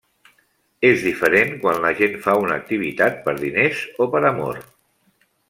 És diferent quan la gent fa una activitat per diners o per amor.